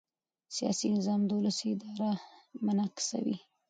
سیاسي نظام د ولس اراده منعکسوي